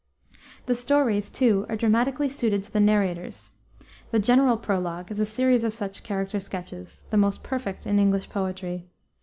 The stories, too, are dramatically suited to the narrators. The general prologue is a series of such character sketches, the most perfect in English poetry.